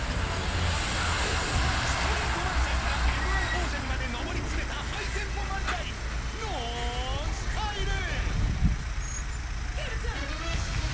ストリート漫才からＭー１王者にまで上り詰めたハイテンポ漫才、ＮＯＮＳＴＹＬＥ。